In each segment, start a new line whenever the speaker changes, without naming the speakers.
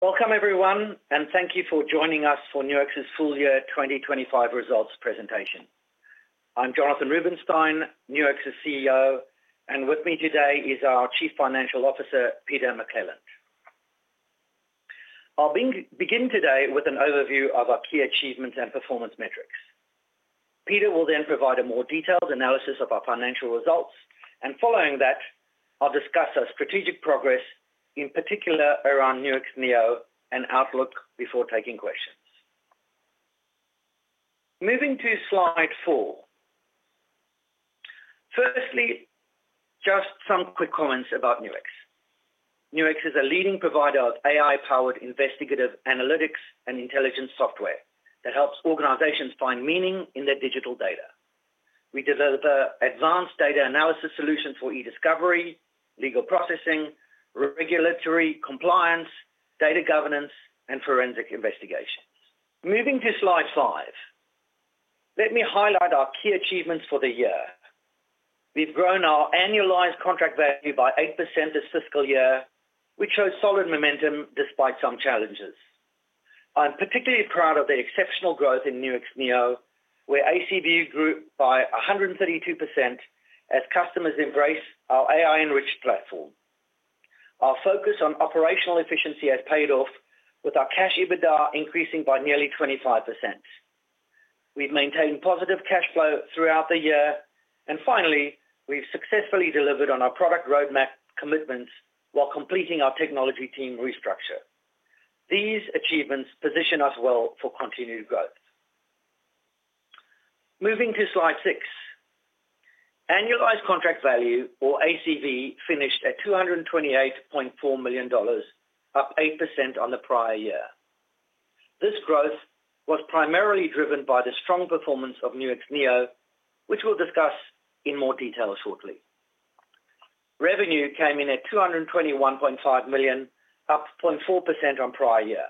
Welcome, everyone, and thank you for joining us for Nuix's Full-Year 2025 Results Presentation. I'm Jonathan Rubinsztein, Nuix's CEO, and with me today is our Chief Financial Officer, Peter McClelland. I'll begin today with an overview of our key achievements and performance metrics. Peter will then provide a more detailed analysis of our financial results, and following that, I'll discuss our strategic progress, in particular around Nuix Neo and Outlook, before taking questions. Moving to slide four. Firstly, just some quick comments about Nuix. Nuix is a leading provider of AI-powered investigative analytics and intelligence software that helps organizations find meaning in their digital data. We develop advanced data analysis solutions for e-discovery, legal processing, regulatory compliance, data governance, and forensic investigation. Moving to slide five, let me highlight our key achievements for the year. We've grown our annualized contract value by 8% this fiscal year, which shows solid momentum despite some challenges. I'm particularly proud of the exceptional growth in Nuix Neo, where ACV grew by 132% as customers embraced our AI-enriched platform. Our focus on operational efficiency has paid off, with our cash EBITDA increasing by nearly 25%. We've maintained positive cash flow throughout the year, and finally, we've successfully delivered on our product roadmap commitments while completing our technology team restructure. These achievements position us well for continued growth. Moving to slide six, annualized contract value, or ACV, finished at 228.4 million dollars, up 8% on the prior year. This growth was primarily driven by the strong performance of Nuix Neo, which we'll discuss in more detail shortly. Revenue came in at 221.5 million, up 0.4% on prior year.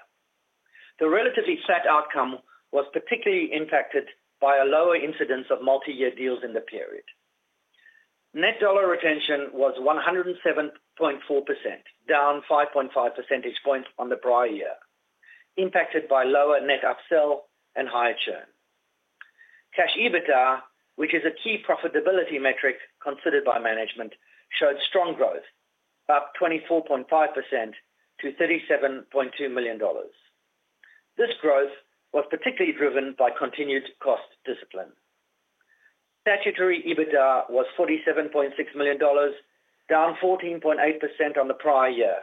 The relatively flat outcome was particularly impacted by a lower incidence of multi-year deals in the period. Net dollar retention was 107.4%, down 5.5% on the prior year, impacted by lower net upsell and higher churn. Cash EBITDA, which is a key profitability metric considered by management, showed strong growth, up 24.5% to 37.2 million dollars. This growth was particularly driven by continued cost discipline. Statutory EBITDA was 47.6 million dollars, down 14.8% on the prior year,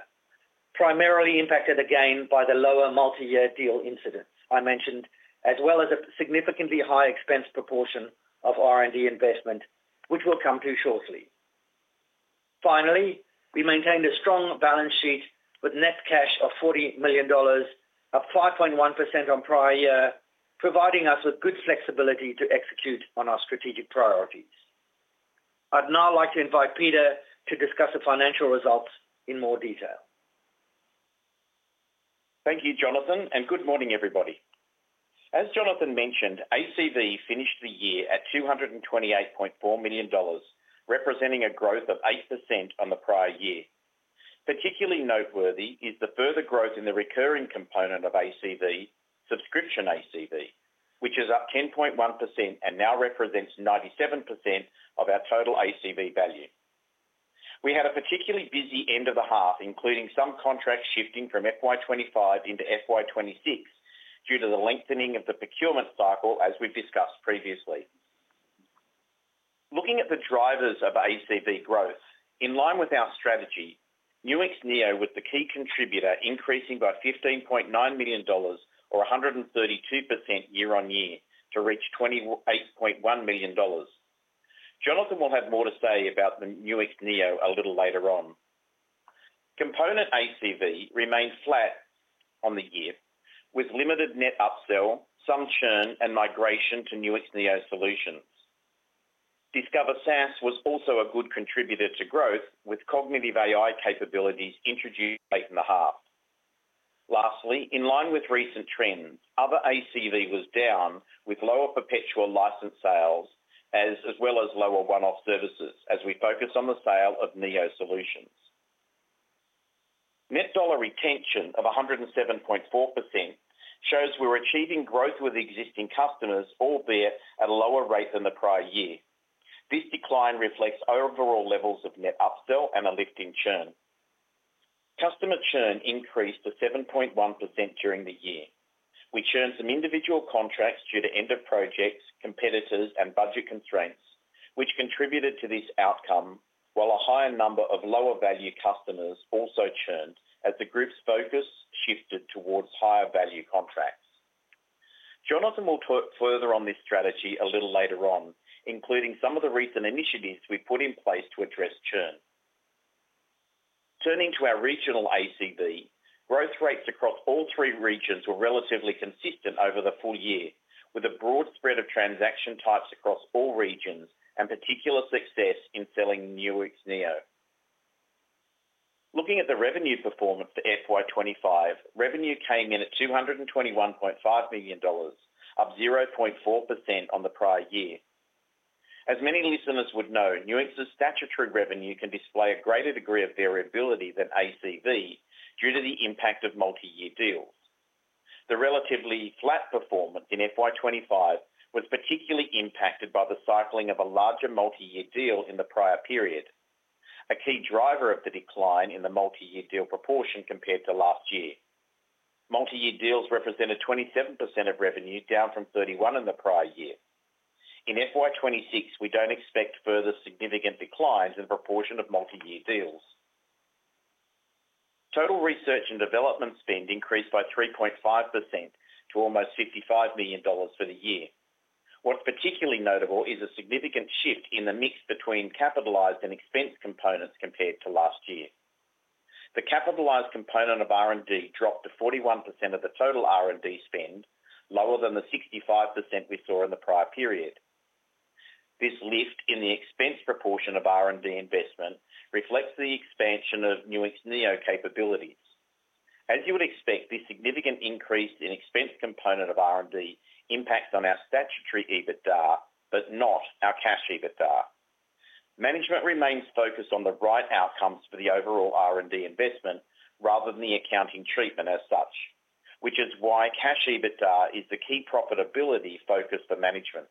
primarily impacted again by the lower multi-year deal incidence I mentioned, as well as a significantly high expense proportion of R&D investment, which we'll come to shortly. Finally, we maintained a strong balance sheet with net cash of 40 million dollars, up 5.1% on prior year, providing us with good flexibility to execute on our strategic priorities. I'd now like to invite Peter to discuss the financial results in more detail.
Thank you, Jonathan, and good morning, everybody. As Jonathan mentioned, ACV finished the year at 228.4 million dollars, representing a growth of 8% on the prior year. Particularly noteworthy is the further growth in the recurring component of ACV, subscription ACV, which is up 10.1% and now represents 97% of our total ACV value. We had a particularly busy end of the half, including some contracts shifting from FY 2025 into FY 2026 due to the lengthening of the procurement cycle, as we've discussed previously. Looking at the drivers of ACV growth, in line with our strategy, Nuix Neo was the key contributor, increasing by AUD 15.9 million, or 132% year-on-year, to reach AUD 28.1 million. Jonathan will have more to say about Nuix Neo a little later on. Component ACV remained flat on the year, with limited net upsell, some churn, and migration to Nuix Neo Solutions. Discover SaaS was also a good contributor to growth, with cognitive AI features introduced late in the half. Lastly, in line with recent trends, other ACV was down, with lower perpetual license sales, as well as lower one-off services, as we focus on the sale of Neo Solutions. Net dollar retention of 107.4% shows we're achieving growth with existing customers, albeit at a lower rate than the prior year. This decline reflects overall levels of net upsell and a lift in churn. Customer churn increased to 7.1% during the year. We churned some individual contracts due to end-of-projects, competitors, and budget constraints, which contributed to this outcome, while a higher number of lower-value customers also churned, as the group's focus shifted toward higher-value contracts. Jonathan will talk further on this strategy a little later on, including some of the recent initiatives we put in place to address churn. Turning to our regional ACV, growth rates across all three regions were relatively consistent over the full year, with a broad spread of transaction types across all regions and particular success in selling Nuix Neo. Looking at the revenue performance for FY 2025, revenue came in at AUD 221.5 million, up 0.4% on the prior year. As many listeners would know, Nuix's statutory revenue can display a greater degree of variability than ACV due to the impact of multi-year deals. The relatively flat performance in FY 2025 was particularly impacted by the cycling of a larger multi-year deal in the prior period, a key driver of the decline in the multi-year deal proportion compared to last year. Multi-year deals represented 27% of revenue, down from 31% in the prior year. In FY 2026, we don't expect further significant declines in the proportion of multi-year deals. Total research and development spend increased by 3.5% to almost 55 million dollars for the year. What's particularly notable is a significant shift in the mix between capitalized and expense components compared to last year. The capitalized component of R&D dropped to 41% of the total R&D spend, lower than the 65% we saw in the prior period. This lift in the expense proportion of R&D investment reflects the expansion of Nuix Neo capabilities. As you would expect, this significant increase in the expense component of R&D impacts on our statutory EBITDA, but not our cash EBITDA. Management remains focused on the right outcomes for the overall R&D investment, rather than the accounting treatment as such, which is why cash EBITDA is the key profitability focus for management.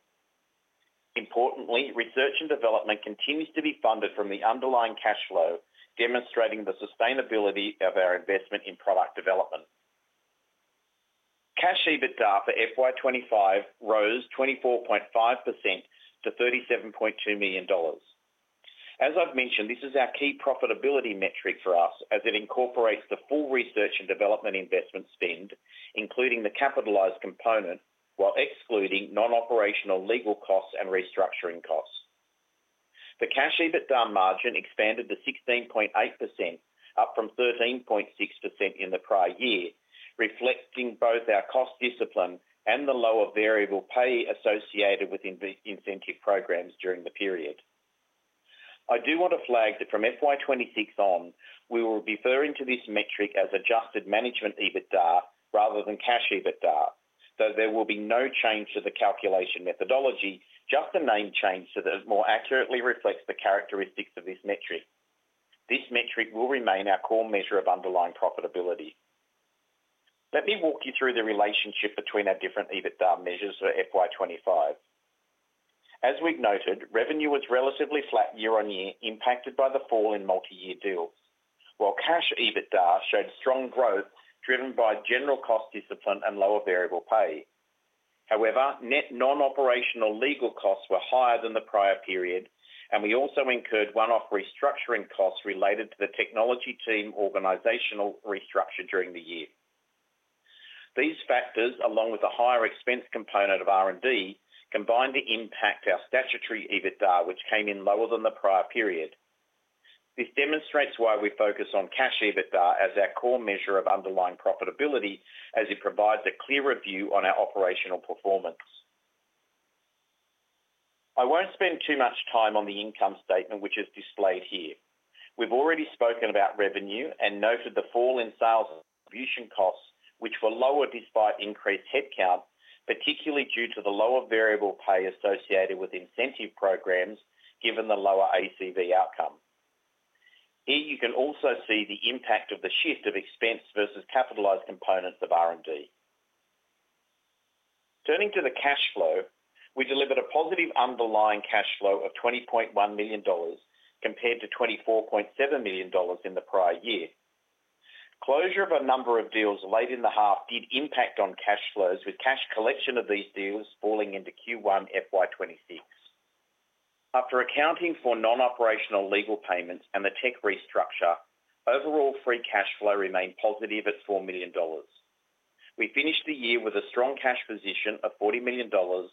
Importantly, research and development continues to be funded from the underlying cash flow, demonstrating the sustainability of our investment in product development. Cash EBITDA for FY 2025 rose 24.5% to 37.2 million dollars. As I've mentioned, this is our key profitability metric for us, as it incorporates the full research and development investment spend, including the capitalized component, while excluding non-operational legal costs and restructuring costs. The cash EBITDA margin expanded to 16.8%, up from 13.6% in the prior year, reflecting both our cost discipline and the lower variable pay associated with incentive programs during the period. I do want to flag that from FY 2026 on, we will be referring to this metric as adjusted management EBITDA rather than cash EBITDA, though there will be no change to the calculation methodology, just a name change so that it more accurately reflects the characteristics of this metric. This metric will remain our core measure of underlying profitability. Let me walk you through the relationship between our different EBITDA measures for FY 2025. As we've noted, revenue was relatively flat year-on-year, impacted by the fall in multi-year deals, while cash EBITDA showed strong growth driven by general cost discipline and lower variable pay. However, net non-operational legal costs were higher than the prior period, and we also incurred one-off restructuring costs related to the technology team organizational restructure during the year. These factors, along with the higher expense component of R&D, combined to impact our statutory EBITDA, which came in lower than the prior period. This demonstrates why we focus on cash EBITDA as our core measure of underlying profitability, as it provides a clearer view on our operational performance. I won't spend too much time on the income statement, which is displayed here. We've already spoken about revenue and noted the fall in sales and distribution costs, which were lower despite increased headcount, particularly due to the lower variable pay associated with incentive programs, given the lower ACV outcome. Here, you can also see the impact of the shift of expense versus capitalized components of R&D. Turning to the cash flow, we delivered a positive underlying cash flow of 20.1 million dollars compared to 24.7 million dollars in the prior year. Closure of a number of deals late in the half did impact on cash flows, with cash collection of these deals falling into Q1 FY 2026. After accounting for non-operational legal payments and the tech restructure, overall free cash flow remained positive at 4 million dollars. We finished the year with a strong cash position of 40 million dollars,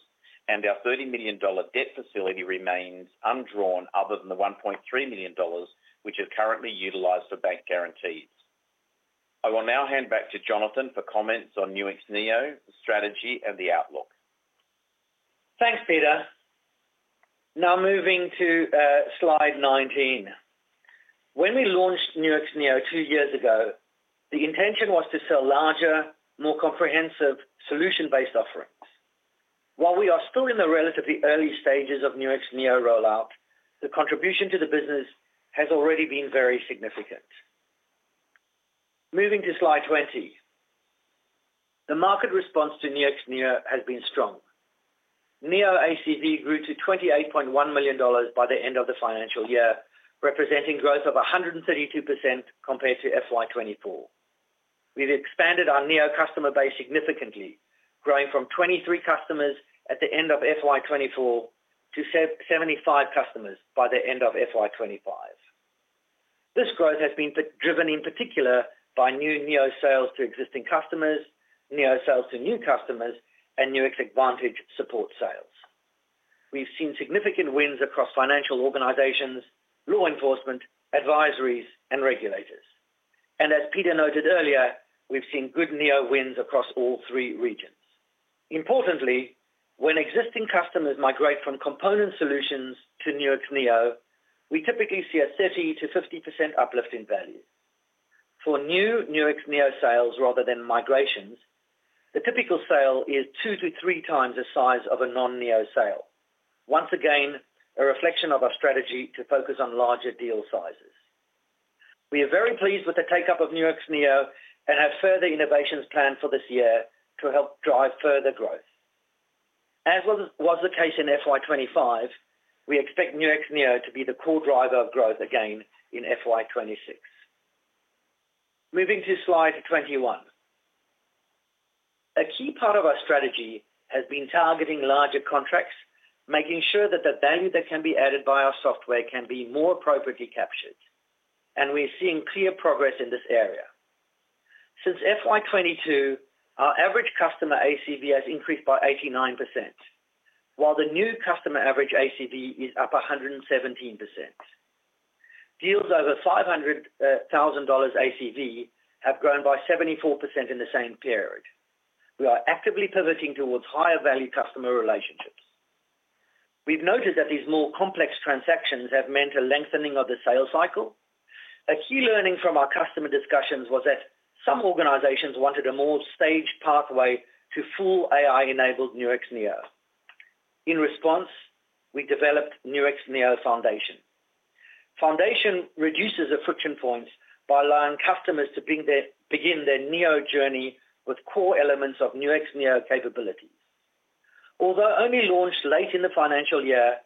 and our 30 million dollar debt facility remains undrawn, other than the 1.3 million dollars, which is currently utilized for bank guarantees. I will now hand back to Jonathan for comments on Nuix Neo, the strategy, and the outlook.
Thanks, Peter. Now moving to slide 19. When we launched Nuix Neo two years ago, the intention was to sell larger, more comprehensive solution-based offerings. While we are still in the relatively early stages of Nuix Neo rollout, the contribution to the business has already been very significant. Moving to slide 20, the market response to Nuix Neo has been strong. Neo ACV grew to 28.1 million dollars by the end of the financial year, representing growth of 132% compared to FY 2024. We've expanded our Neo customer base significantly, growing from 23 customers at the end of FY 2024 to 75 customers by the end of FY 2025. This growth has been driven in particular by new Neo sales to existing customers, Neo sales to new customers, and Nuix Advantage support sales. We've seen significant wins across financial organizations, law enforcement, advisories, and regulators. As Peter noted earlier, we've seen good Neo wins across all three regions. Importantly, when existing customers migrate from Component Solutions to Nuix Neo, we typically see a 30%-50% uplift in value. For new Nuix Neo sales, rather than migrations, the typical sale is two to three times the size of a non-Neo sale. Once again, a reflection of our strategy to focus on larger deal sizes. We are very pleased with the take-up of Nuix Neo and have further innovations planned for this year to help drive further growth. As was the case in FY 2025, we expect Nuix Neo to be the core driver of growth again in FY 2026. Moving to slide 21, a key part of our strategy has been targeting larger contracts, making sure that the value that can be added by our software can be more appropriately captured. We're seeing clear progress in this area. Since FY 2022, our average customer ACV has increased by 89%, while the new customer average ACV is up 117%. Deals over 500,000 dollars ACV have grown by 74% in the same period. We are actively pivoting towards higher-value customer relationships. We've noted that these more complex transactions have meant a lengthening of the sales cycle. A key learning from our customer discussions was that some organizations wanted a more staged pathway to full AI-enabled Nuix Neo. In response, we developed Nuix Neo Foundation. Foundation reduces friction points by allowing customers to begin their Neo journey with core elements of Nuix Neo capability. Although only launched late in the financial year,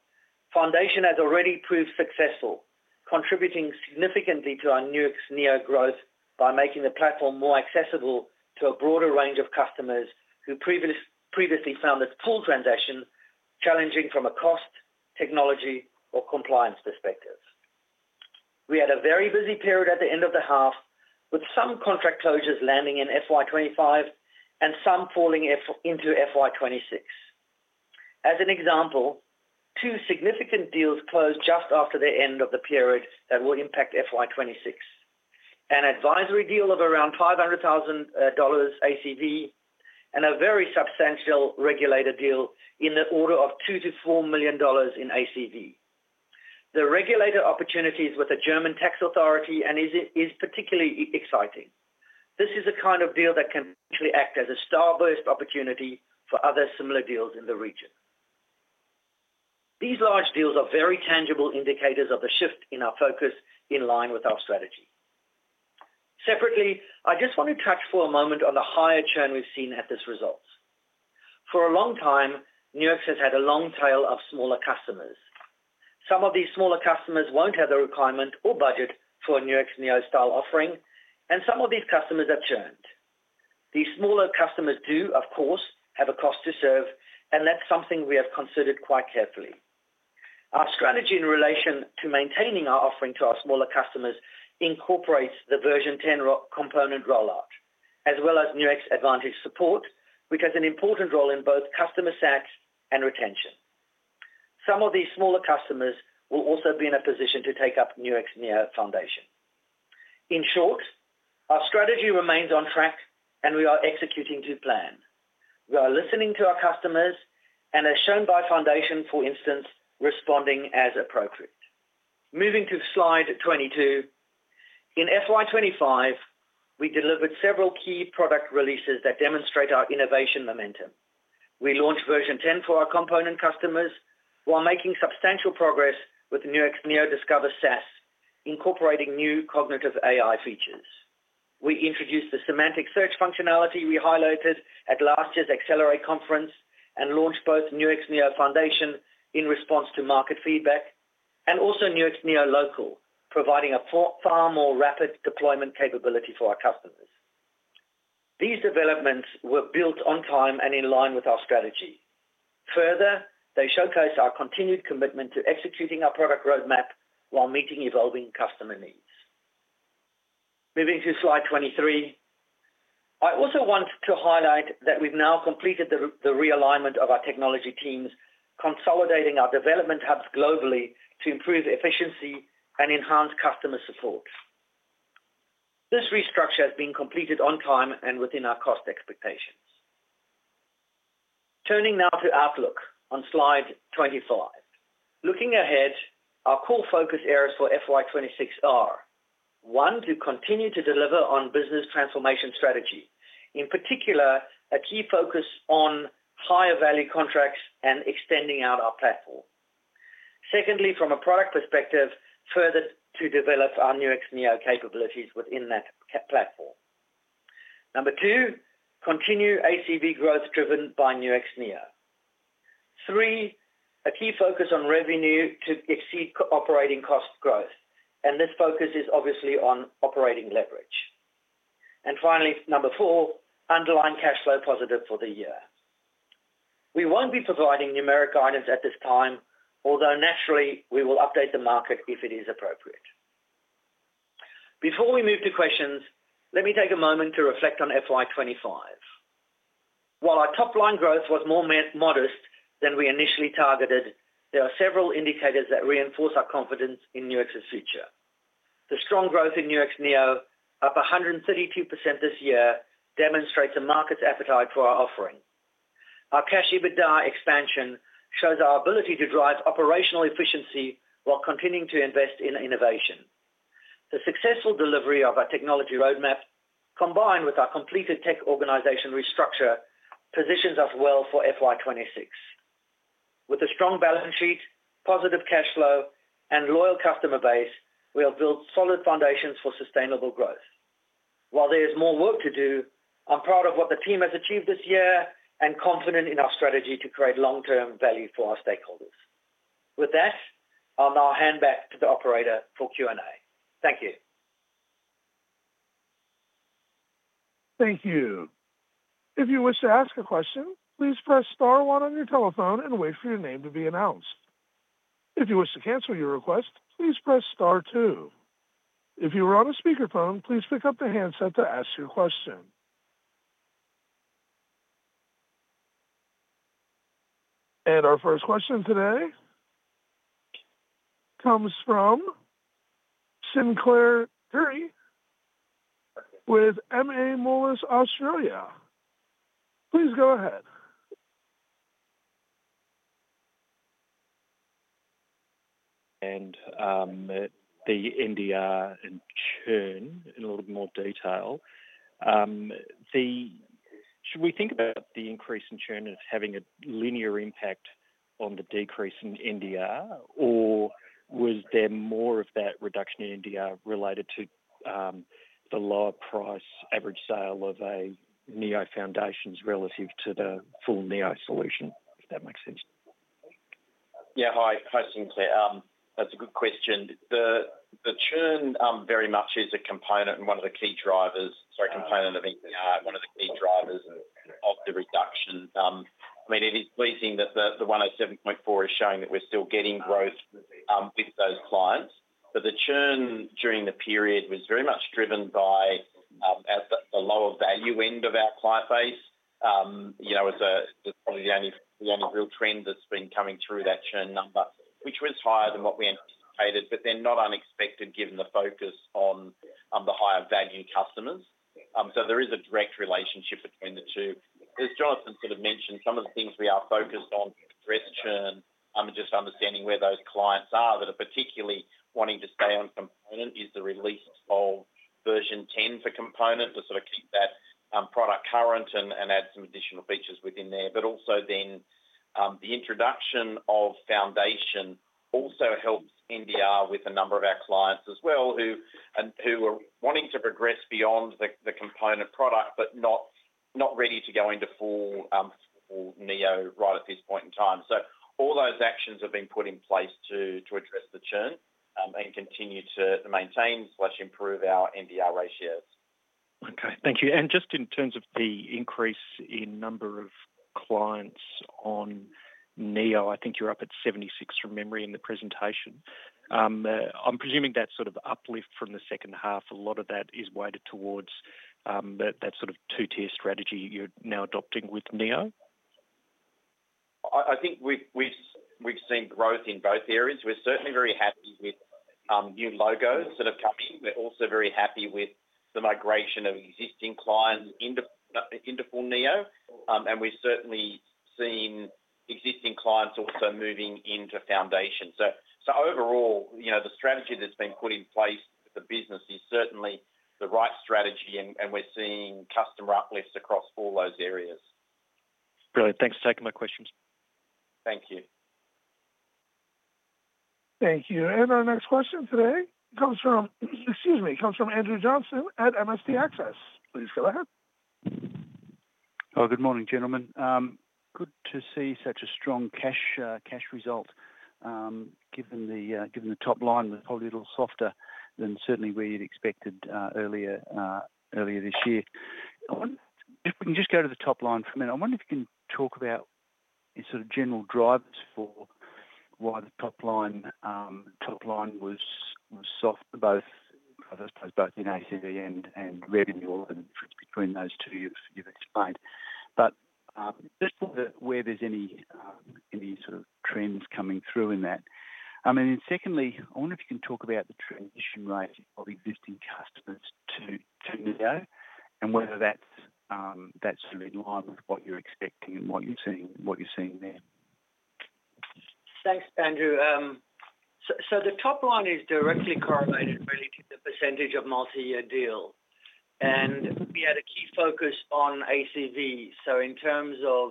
Foundation has already proved successful, contributing significantly to our Nuix Neo growth by making the platform more accessible to a broader range of customers who previously found this pool transaction challenging from a cost, technology, or compliance perspective. We had a very busy period at the end of the half, with some contract closures landing in FY 2025 and some falling into FY 2026. As an example, two significant deals closed just after the end of the period that will impact FY 2026: an advisory deal of around 500,000 dollars ACV and a very substantial regulator deal in the order of 2 million-4 million dollars in ACV. The regulator opportunity is with the German tax authority and is particularly exciting. This is the kind of deal that can actually act as a starburst opportunity for other similar deals in the region. These large deals are very tangible indicators of the shift in our focus in line with our strategy. Separately, I just want to touch for a moment on the higher churn we've seen at this result. For a long time, Nuix has had a long tail of smaller customers. Some of these smaller customers won't have the requirement or budget for a Nuix Neo style offering, and some of these customers have churned. These smaller customers do, of course, have a cost to serve, and that's something we have considered quite carefully. Our strategy in relation to maintaining our offering to our smaller customers incorporates the version 10 for Component customers rollout, as well as Nuix Advantage support, which has an important role in both customer SaaS and retention. Some of these smaller customers will also be in a position to take up Nuix Neo Foundation. In short, our strategy remains on track, and we are executing to plan. We are listening to our customers and, as shown by Foundation, for instance, responding as appropriate. Moving to slide 22, in FY 2025 we delivered several key product releases that demonstrate our innovation momentum. We launched version 10 for our Component customers, while making substantial progress with Nuix Neo Discover SaaS, incorporating new cognitive AI features. We introduced the semantic search functionality we highlighted at last year's Accelerate Conference and launched both Nuix Neo Foundation in response to market feedback and also Nuix Neo Local, providing a far more rapid deployment capability for our customers. These developments were built on time and in line with our strategy. Further, they showcase our continued commitment to executing our product roadmap while meeting evolving customer needs. Moving to slide 23, I also want to highlight that we've now completed the realignment of our technology teams, consolidating our development hubs globally to improve efficiency and enhance customer support. This restructure has been completed on time and within our cost expectations. Turning now to Outlook on slide 25. Looking ahead, our core focus areas for FY 2026 are: one, to continue to deliver on business transformation strategy, in particular a key focus on higher-value contracts and extending out our platform. Secondly, from a product perspective, further to develop our Nuix Neo capabilities within that platform. Number two, continue ACV growth driven by Nuix Neo. Three, a key focus on revenue to exceed operating cost growth, and this focus is obviously on operating leverage. Finally, number four, underline cash flow positive for the year. We won't be providing numeric guidance at this time, although naturally we will update the market if it is appropriate. Before we move to questions, let me take a moment to reflect on FY 2025. While our top line growth was more modest than we initially targeted, there are several indicators that reinforce our confidence in Nuix's future. The strong growth in Nuix Neo, up 132% this year, demonstrates a market's appetite for our offering. Our cash EBITDA expansion shows our ability to drive operational efficiency while continuing to invest in innovation. The successful delivery of our technology roadmap, combined with our completed tech organization restructure, positions us well for FY 2026. With a strong balance sheet, positive cash flow, and loyal customer base, we have built solid foundations for sustainable growth. While there is more work to do, I'm proud of what the team has achieved this year and confident in our strategy to create long-term value for our stakeholders. With that, I'll now hand back to the operator for Q&A. Thank you.
Thank you. If you wish to ask a question, please press star one on your telephone and wait for your name to be announced. If you wish to cancel your request, please press star two. If you are on a speakerphone, please pick up the handset to ask your question. Our first question today comes from Sinclair Currie with MA Moelis Australia. Please go ahead.
At the NDR and churn in a little bit more detail, should we think about the increase in churn as having a linear impact on the decrease in NDR, or was there more of that reduction in NDR related to the lower price average sale of a Nuix Neo Foundation relative to the full Nuix Neo Solution, if that makes sense?
Yeah, hi, hi Sinclair. That's a good question. The churn very much is a component and one of the key drivers, sorry, component of NDR, one of the key drivers of the reduction. It is pleasing that the 107.4% is showing that we're still getting growth with those clients. The churn during the period was very much driven by, at the lower value end of our client base. You know, it's probably the only real trend that's been coming through that churn number, which was higher than what we anticipated, but then not unexpected given the focus on the higher value customers. There is a direct relationship between the two. As Jonathan sort of mentioned, some of the things we are focused on to address churn and just understanding where those clients are that are particularly wanting to stay on Component is the release of version 10 for Component to sort of keep that product current and add some additional features within there. Also, the introduction of Foundation also helps NDR with a number of our clients as well who are wanting to progress beyond the Component product, but not ready to go into full Neo right at this point in time. All those actions have been put in place to address the churn and continue to maintain/improve our NDR ratios.
Thank you. In terms of the increase in number of clients on Nuix Neo, I think you're up at 76% from memory in the presentation. I'm presuming that sort of uplift from the second half, a lot of that is weighted towards that sort of two-tier strategy you're now adopting with Nuix Neo?
I think we've seen growth in both areas. We're certainly very happy with new logos that have come in. We're also very happy with the migration of existing clients into full Nuix Neo. We've certainly seen existing clients also moving into Nuix Neo Foundation. Overall, the strategy that's been put in place for the business is certainly the right strategy, and we're seeing customer uplifts across all those areas.
Great. Thanks for taking my questions.
Thank you.
Thank you. Our next question today comes from Andrew Johnston at MST Access. Please go ahead.
Oh, good morning, gentlemen. Good to see such a strong cash result. Given the top line, we're probably a little softer than certainly we had expected earlier this year. If we can just go to the top line for a minute, I wonder if you can talk about your sort of general drivers for why the top line was soft for both, I suppose, both in ACV and revenue and between those two you've explained. Just look at whether there's any sort of trends coming through in that. I mean, secondly, I wonder if you can talk about the transition rate of existing customers to Neo and whether that's in line with what you're expecting and what you're seeing there.
Thanks, Andrew. The top line is directly correlated really to the percentage of multi-year deals. We had a key focus on ACV. In terms of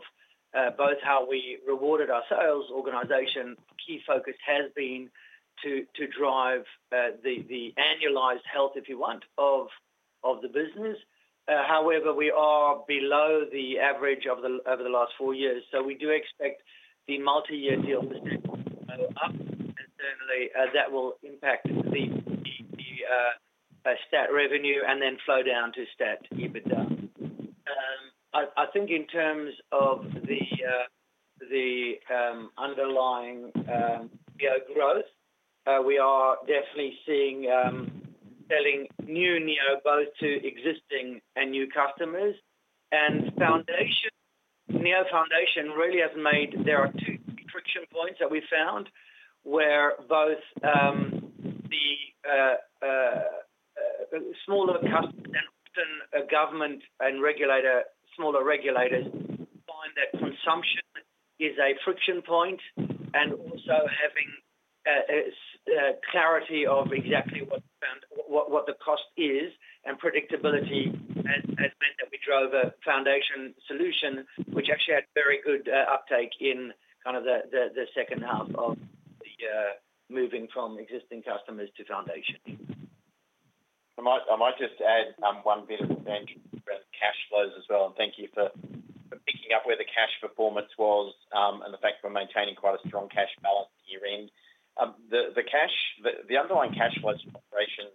both how we rewarded our sales organization, key focus has been to drive the annualized health, if you want, of the business. However, we are below the average of the over the last four years. We do expect the multi-year deal to step up, and certainly, that will impact the stat revenue and then flow down to stat EBITDA. I think in terms of the underlying growth, we are definitely seeing selling new Neo both to existing and new customers. Foundation, Neo Foundation, really has made, there are two friction points that we found where both the smaller customers and often a government and regulator, smaller regulators, find that consumption is a friction point. Also, having clarity of exactly what the cost is and predictability has meant that we drove a Foundation solution, which actually had very good uptake in kind of the second half, moving from existing customers to Foundation.
I might just add one bit of an entry around cash flows as well. Thank you for picking up where the cash performance was, and the fact that we're maintaining quite a strong cash balance at year-end. The cash, the underlying cash flow operation,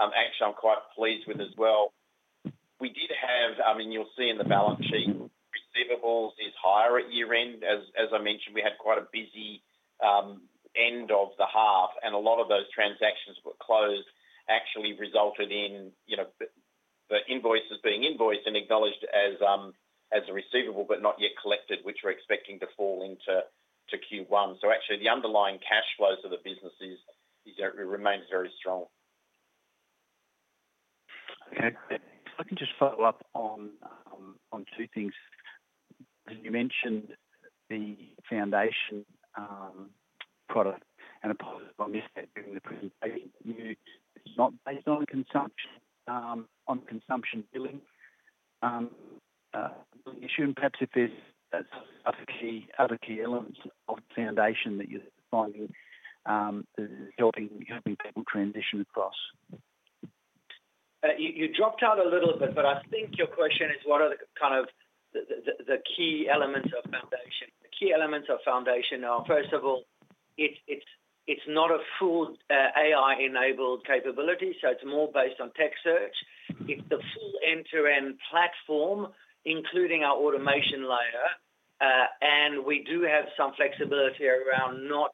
actually, I'm quite pleased with as well. You'll see in the balance sheet, receivables is higher at year-end. As I mentioned, we had quite a busy end of the half, and a lot of those transactions were closed, actually resulted in the invoices being invoiced and acknowledged as a receivable, but not yet collected, which we're expecting to fall into Q1. Actually, the underlying cash flows of the business remain very strong.
Okay. If I can just follow up on two things. You mentioned the Neo Foundation product, and I missed that during the presentation. You're not based on consumption, on consumption billing, issue, and perhaps if there's other key elements of Foundation that you're finding helping people transition across.
I think your question is, what are the key elements of Foundation? The key elements of Foundation are, first of all, it's not a full AI-enabled capability, so it's more based on tech search. It's the full end-to-end platform, including our automation layer, and we do have some flexibility around not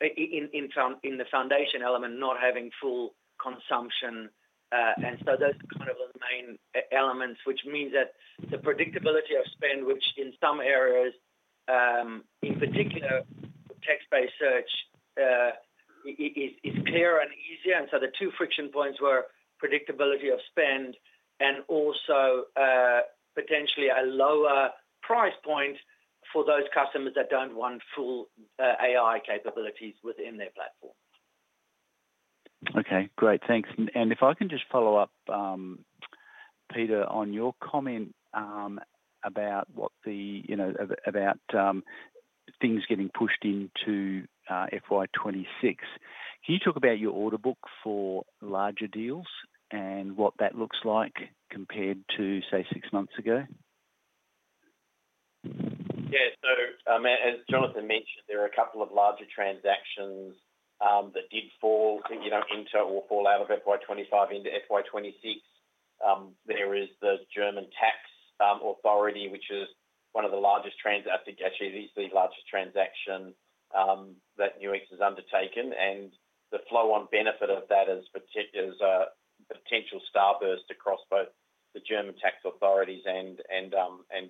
in the Foundation element, not having full consumption. Those are the main elements, which means that the predictability of spend, which in some areas, in particular, with text-based search, is clearer and easier. The two friction points were predictability of spend and also, potentially a lower price point for those customers that don't want full AI capabilities within their platform.
Okay, great. Thanks. If I can just follow up, Peter, on your comment about what the, you know, about things getting pushed into FY 2026. Can you talk about your order book for larger deals and what that looks like compared to, say, six months ago?
Yeah, as Jonathan mentioned, there are a couple of larger transactions that did fall into or fall out of FY 2025 into FY 2026. There is the German tax authority, which is one of the largest transactions, actually the largest transaction, that Nuix has undertaken. The flow-on benefit of that is a potential starburst across both the German tax authority and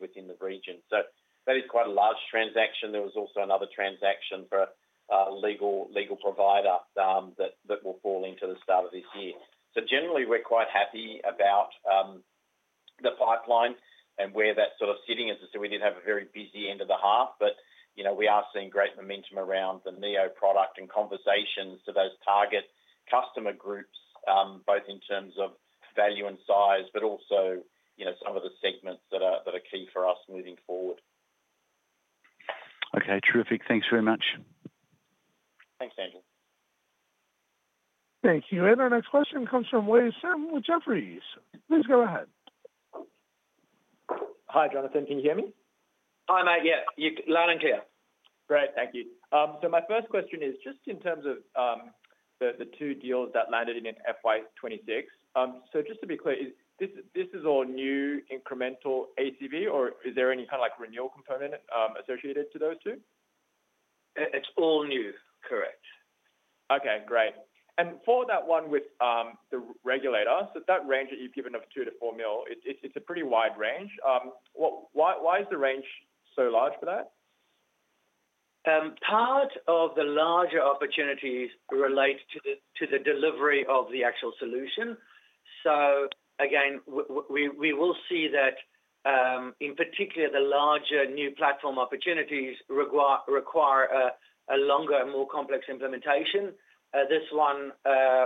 within the region. That is quite a large transaction. There was also another transaction for a legal provider that will fall into the start of this year. Generally, we're quite happy about the pipeline and where that's sort of sitting. As I said, we did have a very busy end of the half, but we are seeing great momentum around the Neo product and conversations to those target customer groups, both in terms of value and size, but also some of the segments that are key for us moving forward.
Okay, terrific. Thanks very much.
Thanks, Andrew.
Thank you. Our next question comes from [Wei Xian] with Jefferies. Please go ahead. Hi, Jonathan. Can you hear me?
Hi, mate. Yeah, loud and clear. Great. Thank you. My first question is just in terms of the two deals that landed in FY 2026. Just to be clear, is this all new incremental ACV, or is there any kind of renewal component associated to those two? It's all new, correct. Okay, great. For that one with the regulator, that range that you've given of 2 million-4 million is a pretty wide range. Why is the range so large for that? Part of the larger opportunities relate to the delivery of the actual solution. We will see that, in particular, the larger new platform opportunities require a longer and more complex implementation.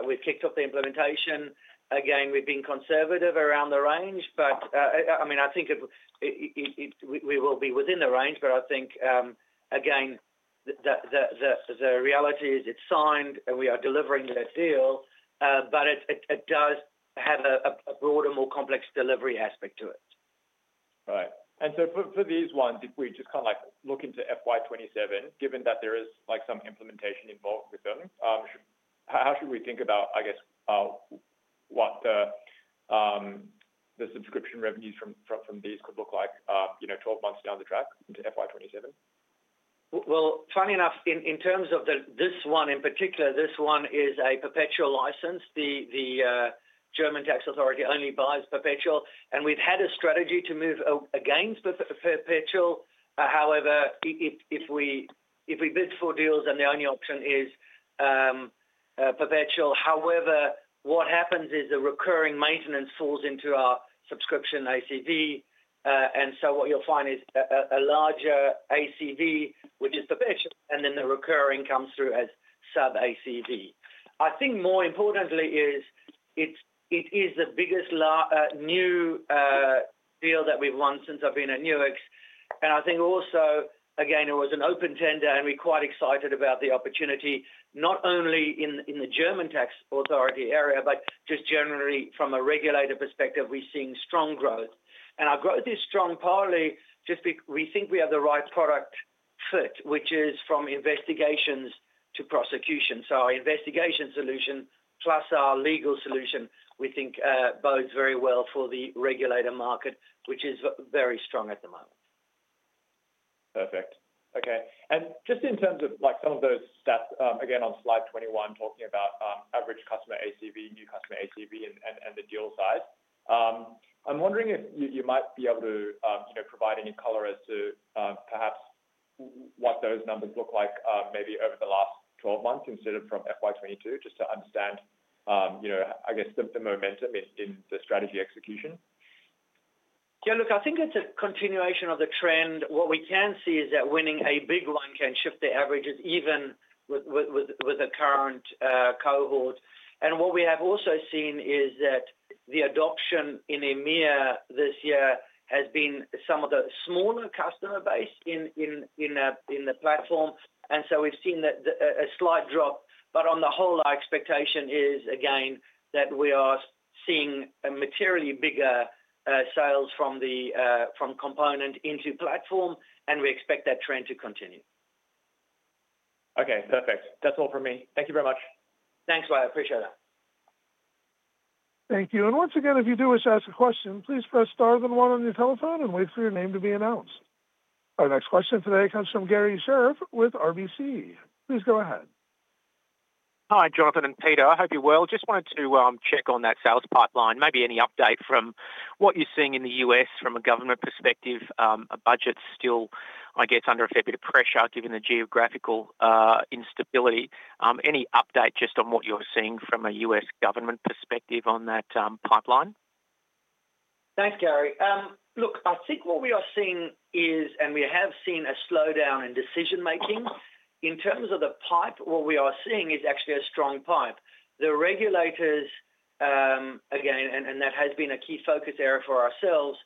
We've kicked off the implementation. We've been conservative around the range, but I think we will be within the range. I think the reality is it's signed and we are delivering the next deal. It does have a broader, more complex delivery aspect to it. Right. For these ones, if we just kind of look into FY 2027, given that there is some implementation involved with them, how should we think about what the subscription revenues from these could look like 12 months down the track into FY 2027? In terms of this one in particular, this one is a perpetual license. The German tax authority only buys perpetual. We've had a strategy to move against perpetual. However, if we bid for deals and the only option is perpetual, what happens is recurring maintenance falls into our subscription ACV. What you'll find is a larger ACV, which is perpetual, and then the recurring comes through as sub-ACV. I think more importantly, it is the biggest new deal that we've won since I've been at Nuix. I think also, it was an open tender and we're quite excited about the opportunity, not only in the German tax authority area, but just generally from a regulator perspective, we're seeing strong growth. Our growth is strong partly just because we think we have the right product fit, which is from investigations to prosecution. Our investigation solution plus our legal solution, we think, bodes very well for the regulator market, which is very strong at the moment. Perfect. Okay. In terms of some of those stats, again, on slide 21, talking about average customer ACV, new customer ACV, and the deal size, I'm wondering if you might be able to provide any color as to perhaps what those numbers look like maybe over the last 12 months considered from FY 2022, just to understand, you know, I guess, the momentum in the strategy execution. Yeah, look, I think it's a continuation of the trend. What we can see is that winning a big one can shift the averages even with the current cohort. What we have also seen is that the adoption in EMEA this year has been some of the smaller customer base in the platform, so we've seen a slight drop. On the whole, our expectation is, again, that we are seeing a materially bigger sales from the Component into platform, and we expect that trend to continue. Okay, perfect. That's all for me. Thank you very much. Thanks, mate. I appreciate it.
Thank you. If you do wish to ask a question, please press star then one on your telephone and wait for your name to be announced. Our next question today comes from Garry Sherriff with RBC. Please go ahead.
Hi, Jonathan and Peter. I hope you're well. Just wanted to check on that sales pipeline, maybe any update from what you're seeing in the U.S. from a government perspective. Are budgets still, I guess, under a fair bit of pressure given the geographical instability? Any update just on what you're seeing from a U.S. government perspective on that pipeline?
Thanks, Gary. Look, I think what we are seeing is, and we have seen a slowdown in decision-making. In terms of the pipe, what we are seeing is actually a strong pipe. The regulators, again, and that has been a key focus area for ourselves,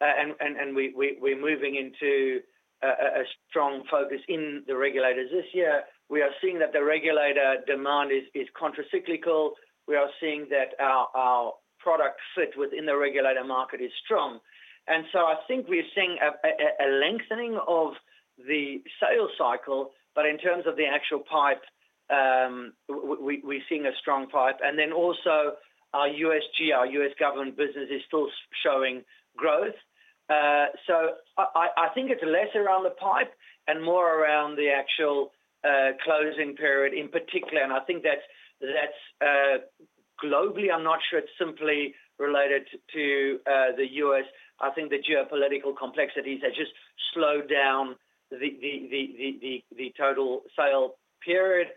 and we're moving into a strong focus in the regulators this year. We are seeing that the regulator demand is contracyclical. We are seeing that our product fit within the regulator market is strong. I think we're seeing a lengthening of the sales cycle, but in terms of the actual pipe, we're seeing a strong pipe. Also, our U.S. government business is still showing growth. I think it's less around the pipe and more around the actual closing period in particular. I think that's globally, I'm not sure it's simply related to the U.S. I think the geopolitical complexities have just slowed down the total sale period.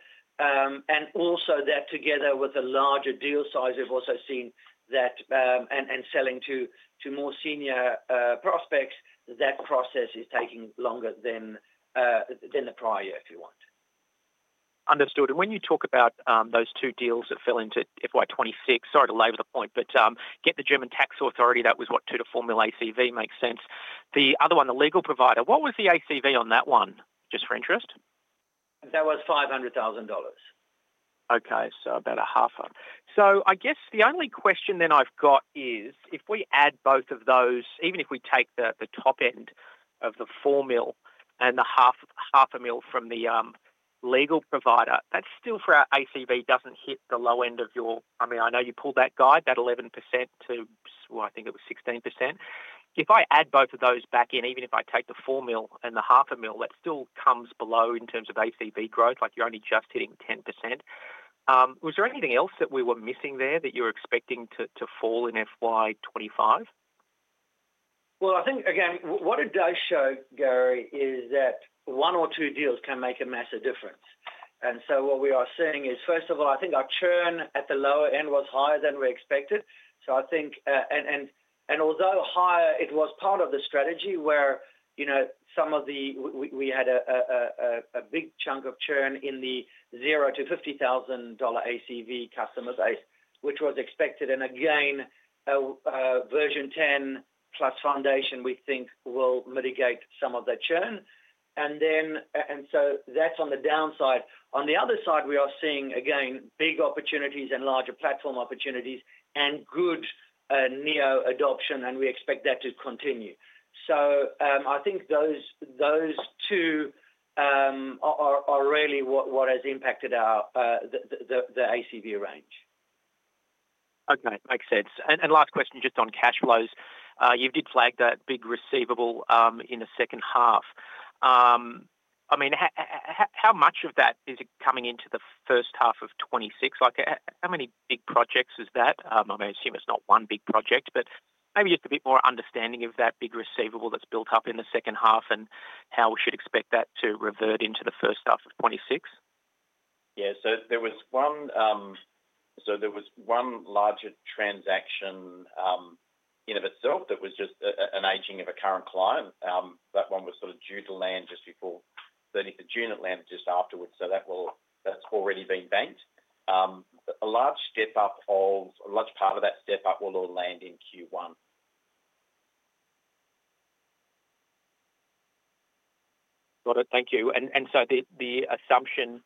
Also, that together with the larger deal size, we've also seen that, and selling to more senior prospects, that process is taking longer than the prior year, if you want.
Understood. When you talk about those two deals that fell into FY 2026, sorry to labor the point, but the German tax authority, that was what to the formula ACV makes sense. The other one, the legal provider, what was the ACV on that one, just for interest?
That was 500,000 dollars.
Okay, about half of. I guess the only question then I've got is if we add both of those, even if we take the top end of the 4 million and the 0.5 million from the legal provider, that's still for our ACV, doesn't hit the low end of your, I mean, I know you pulled that guide, that 11% to, I think it was 16%. If I add both of those back in, even if I take the 4 million and the 0.5 million, that still comes below in terms of ACV growth, like you're only just hitting 10%. Was there anything else that we were missing there that you're expecting to fall in FY 2025?
I think, again, what it does show, Gary, is that one or two deals can make a massive difference. What we are seeing is, first of all, I think our churn at the lower end was higher than we expected. I think, although higher, it was part of the strategy where, you know, we had a big chunk of churn in the 0-50,000 dollar ACV customer base, which was expected. A version 10 plus Foundation, we think, will mitigate some of that churn. That's on the downside. On the other side, we are seeing, again, big opportunities and larger platform opportunities and good Neo adoption, and we expect that to continue. I think those two are really what has impacted the ACV range.
Okay, makes sense. Last question just on cash flows. You did flag that big receivable in the second half. How much of that is coming into the first half of 2026? How many big projects is that? I assume it's not one big project, but maybe just a bit more understanding of that big receivable that's built up in the second half and how we should expect that to revert into the first half of 2026?
Yeah, there was one larger transaction in and of itself that was just an aging of a current client. That one was sort of due to land just before June, it landed just afterwards. That's already been banked. A large step-up of a large part of that step-up will all land in Q1.
Got it. Thank you. The assumption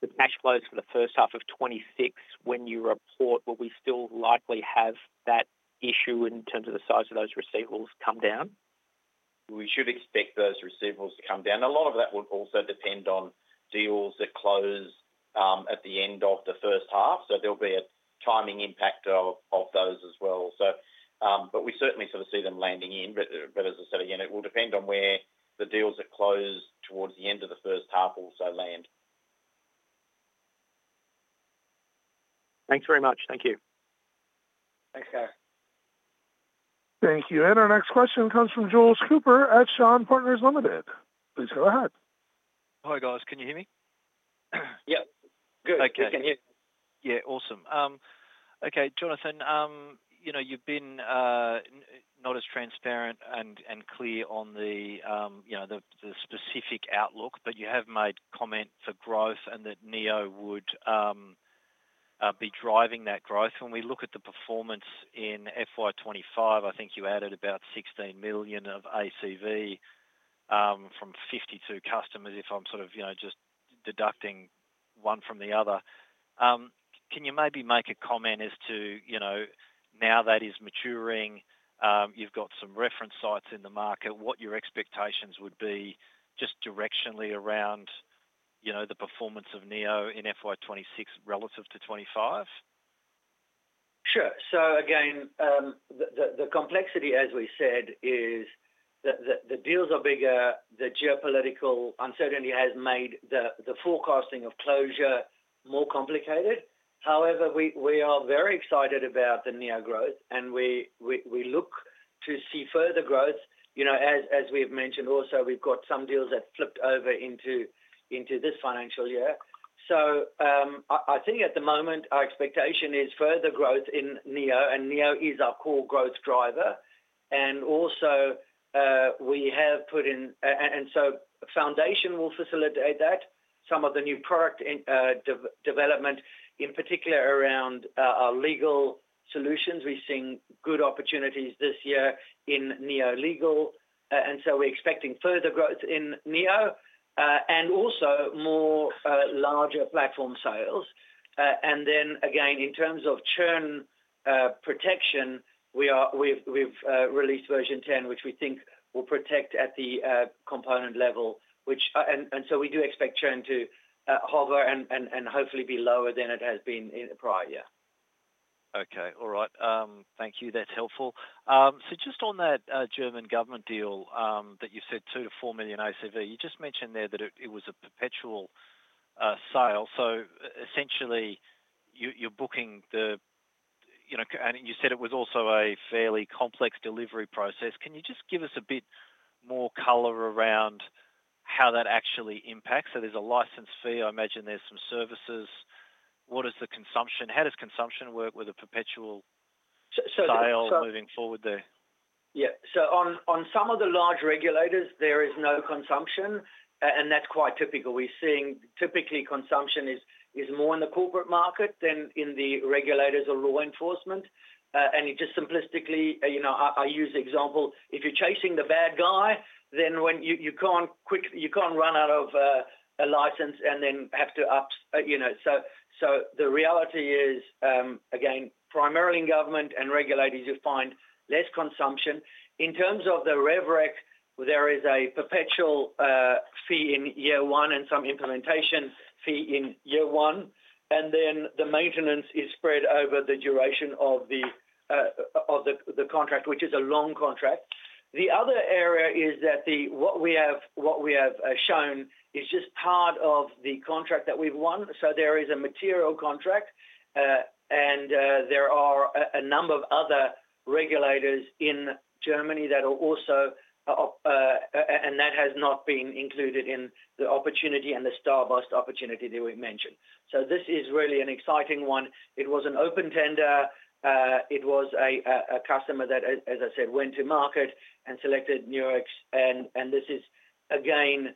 with cash flows for the first half of 2026, when you report, will we still likely have that issue in terms of the size of those receivables come down?
We should expect those receivables to come down. A lot of that will also depend on deals that close at the end of the first half. There'll be a timing impact of those as well. We certainly sort of see them landing in. As I said, again, it will depend on where the deals that close towards the end of the first half also land.
Thanks very much. Thank you.
Thanks, Gary.
Thank you. Our next question comes from Jules Cooper at Shaw and Partners Limited. Please go ahead.
Hi, guys. Can you hear me?
Yep, good. Just can hear you.
Yeah, awesome. Okay, Jonathan, you've been not as transparent and clear on the, you know, the specific outlook, but you have made comment for growth and that Neo would be driving that growth. When we look at the performance in FY 2025, I think you added about 16 million of ACV from 52 customers, if I'm just deducting one from the other. Can you maybe make a comment as to, now that is maturing, you've got some reference sites in the market, what your expectations would be just directionally around the performance of Neo in FY 2026 relative to 2025?
Sure. The complexity, as we said, is that the deals are bigger, the geopolitical uncertainty has made the forecasting of closure more complicated. However, we are very excited about the Neo growth, and we look to see further growth. As we've mentioned also, we've got some deals that flipped over into this financial year. I think at the moment, our expectation is further growth in Neo, and Neo is our core growth driver. We have put in, and Foundation will facilitate that, some of the new product development, in particular around our legal solutions. We're seeing good opportunities this year in Neo legal. We're expecting further growth in Neo, and also more larger platform sales. In terms of churn protection, we've released version 10 which we think will protect at the Component level, and we do expect churn to hover and hopefully be lower than it has been in the prior year.
Okay. All right. Thank you. That's helpful. Just on that German tax authority deal that you said 2 million-4 million ACV, you just mentioned there that it was a perpetual sale. Essentially, you're booking the, you know, and you said it was also a fairly complex delivery process. Can you just give us a bit more color around how that actually impacts? There's a license fee. I imagine there's some services. What is the consumption? How does consumption work with a perpetual sale moving forward there?
Yeah. On some of the large regulators, there is no consumption, and that's quite typical. We're seeing typically consumption is more in the corporate market than in the regulators or law enforcement. It just simplistically, you know, I use the example, if you're chasing the bad guy, then you can't quick, you can't run out of a license and then have to up, you know. The reality is, again, primarily in government and regulators, you find less consumption. In terms of the RevRec, there is a perpetual fee in year one and some implementation fee in year one. The maintenance is spread over the duration of the contract, which is a long contract. The other area is that what we have shown is just part of the contract that we've won. There is a material contract, and there are a number of other regulators in Germany that are also, and that has not been included in the opportunity and the starburst opportunity that we mentioned. This is really an exciting one. It was an open tender. It was a customer that, as I said, went to market and selected Nuix. This is, again,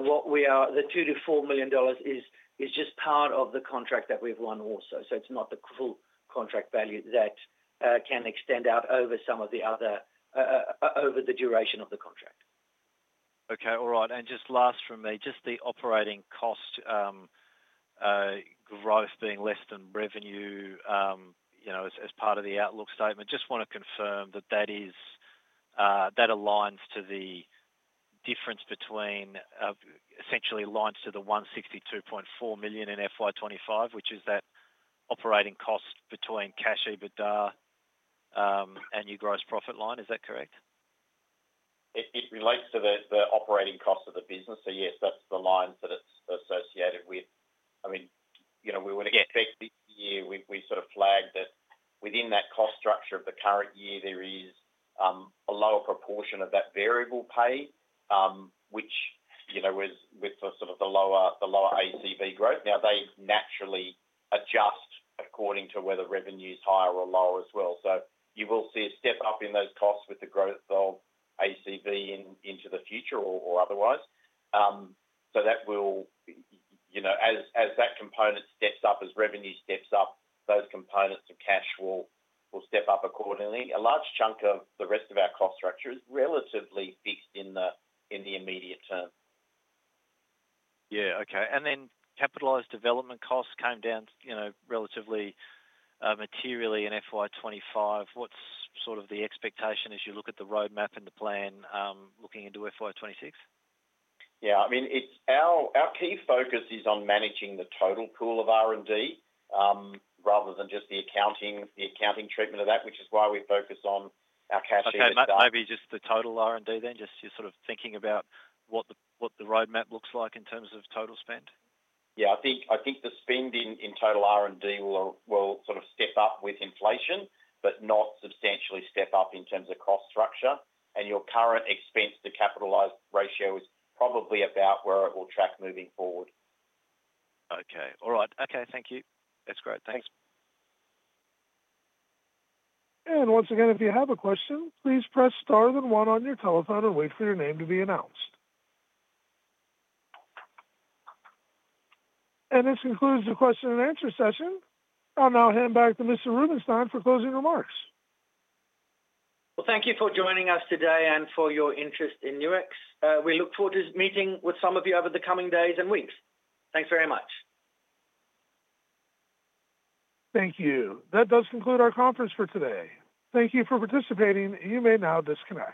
what we are, the 2 million-4 million dollars is just part of the contract that we've won also. It's not the full contract value that can extend out over some of the other, over the duration of the contract.
All right. Just last from me, the operating cost growth being less than revenue as part of the outlook statement, I just want to confirm that aligns to the difference between, essentially aligns to the 162.4 million in FY 2025, which is that operating cost between cash EBITDA and your gross profit line. Is that correct?
It relates to the operating cost of the business. Yes, that's the line that it's associated with. We would expect this year, we sort of flagged that within that cost structure of the current year, there is a lower proportion of that variable pay, which was with the lower ACV growth. They naturally adjust according to whether revenue is higher or lower as well. You will see a step up in those costs with the growth of ACV into the future or otherwise. That will, as that component steps up, as revenue steps up, those components of cash will step up accordingly. A large chunk of the rest of our cost structure is relatively fixed in the immediate term.
Okay. Capitalized development costs came down, you know, relatively materially in FY 2025. What's sort of the expectation as you look at the roadmap and the plan looking into FY 2026?
Yeah, I mean, our key focus is on managing the total pool of R&D rather than just the accounting treatment of that, which is why we focus on our cash EBITDA.
Okay, maybe just the total R&D then, just sort of thinking about what the roadmap looks like in terms of total spend?
I think the spend in total R&D will sort of step up with inflation, but not substantially step up in terms of cost structure. Your current expense to capitalize ratio is probably about where it will track moving forward.
Okay, all right. Okay, thank you. That's great. Thanks.
If you have a question, please press star then one on your telephone and wait for your name to be announced. This concludes the question and answer session. I'll now hand back to Mr. Rubinsztein for closing remarks.
Thank you for joining us today and for your interest in Nuix. We look forward to meeting with some of you over the coming days and weeks. Thanks very much.
Thank you. That does conclude our conference for today. Thank you for participating. You may now disconnect.